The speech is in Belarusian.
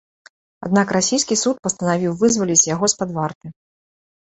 Аднак расійскі суд пастанавіў вызваліць яго з-пад варты.